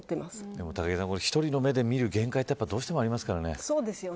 でも１人の目で見る限界ってどうしてもありますからね。